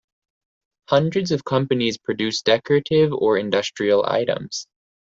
Hundreds of companies produced decorative or industrial items.